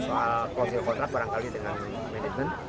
soal konsil kontrak barangkali dengan management